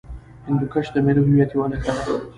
هندوکش د ملي هویت یوه نښه ده.